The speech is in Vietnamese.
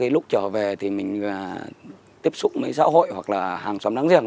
lúc trở về thì mình tiếp xúc với xã hội hoặc là hàng xóm láng giềng